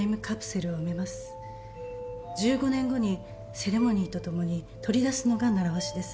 １５年後にセレモニーとともに取り出すのが習わしです。